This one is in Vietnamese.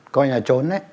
coi như là trốn